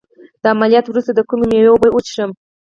د عملیات وروسته د کومې میوې اوبه وڅښم؟